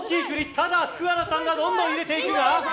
ただ、福原さんがどんどん入れていく！